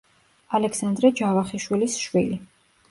ალექსანდრე ჯავახიშვილის შვილი.